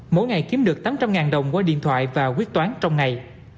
mỗi ngày kiếm được tám trăm linh đồng qua điện thoại và quyết toán trong ngày